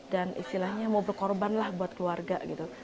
dan istilahnya mau berkorbanlah buat keluarga